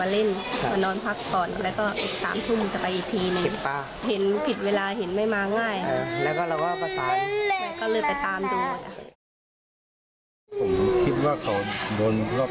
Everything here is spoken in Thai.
เราก็จะกลับมาอีกที่๒ทุ่ม